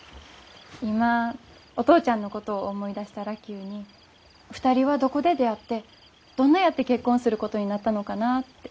今お父ちゃんのことを思い出したら急に２人はどこで出会ってどんなやって結婚することになったのかなって。